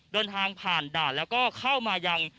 เดินทางผ่านด่านแล้วก็เข้ามายัง